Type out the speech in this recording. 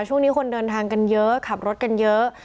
ช่วงนี้คนเดินทางกันเยอะขับรถกันเยอะ